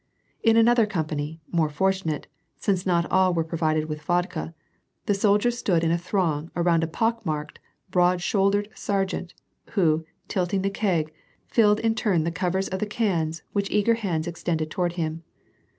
In another company, more fortunate, since not all were pro vided with vodka, the soldiers stood in a throng around a i)ock marked broad shouldered sergeant, who, tilting the keg, filled in turn the covers of the cans which eager hands extended toward him.